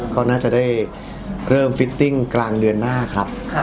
ก็น่าจะได้เริ่มฟิตติ้งกลางเดือนหน้าครับ